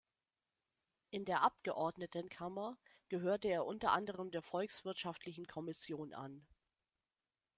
In der Abgeordnetenkammer gehörte er unter anderem der Volkswirtschaftlichen Kommission an.